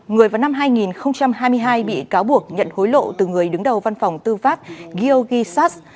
người vào năm hai nghìn hai mươi hai bị cáo buộc nhận hối lộ từ người đứng đầu văn phòng tư pháp gyoggisass